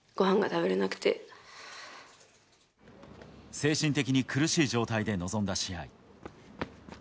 精神的に苦しい状態で臨んだ試合。